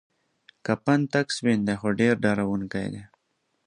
کفن تک سپین دی خو ډیر ډارونکی دی.